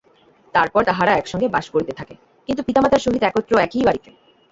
তারপর তাহারা একসঙ্গে বাস করিতে থাকে, কিন্তু পিতামাতার সহিত একত্র একই বাড়িতে।